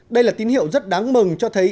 đây là tín hiệu rất đáng mừng cho thấy